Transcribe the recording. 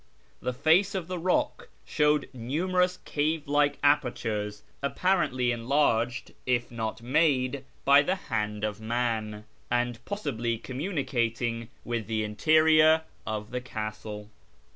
The face of the rock showed numerous cave like apertures, apparently enlarged, if not made, by the hand of man, and possibly communicating with the interior of the castle.